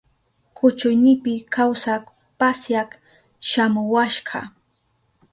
Kuchuynipi kawsak pasyak shamuwashka.